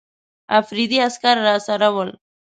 افریدي عسکر راسره ول.